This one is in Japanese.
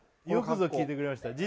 よくぞ聞いてくれました